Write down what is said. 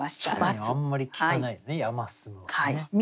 あんまり聞かないですね